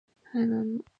I don't.